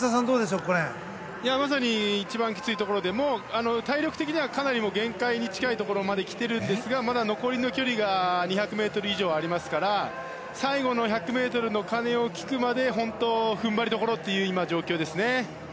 まさに一番きついところでもう、体力的にはかなり限界に近いところまで来ているんですがまだ残りの距離が２００ｍ以上ありますから最後の１００ｍの鐘を聞くまで本当、踏ん張りどころという状況ですね。